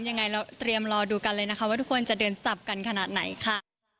ยังไงเราเตรียมรอดูกันเลยนะคะว่าทุกคนจะเดินสับกันขนาดไหนค่ะ